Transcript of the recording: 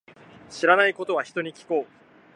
知らないことは、人に聞こう。